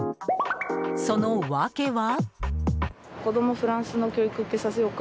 その訳は。